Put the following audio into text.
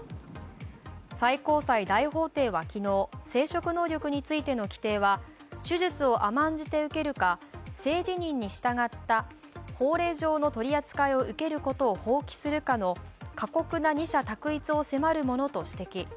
最高裁大法廷は昨日、生殖能力についての規定は手術を甘んじて受けるか性自認に従った法令上の取り扱いを受けることを放棄するかの過酷な二者択一を迫るものと指摘。